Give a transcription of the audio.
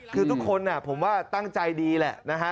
คือทุกคนผมว่าตั้งใจดีแหละนะฮะ